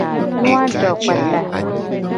Nu a jo kpata.